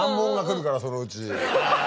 そのうち。